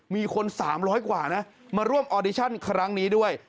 มีคน๓๐๐กว่านะมาร่วมออดิชั่นครั้งนี้ด้วย